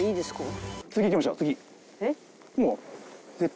もう。